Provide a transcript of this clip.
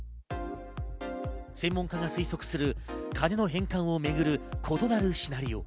専門家が推測する金の返還をめぐる異なるシナリオ。